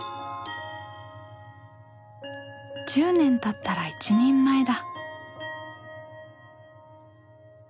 １０年たったら一人前だ。